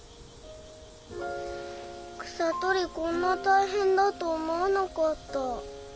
草とりこんなたいへんだと思わなかった。